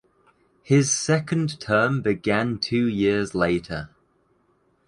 His second term began two years later.